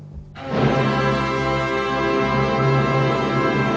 うわ。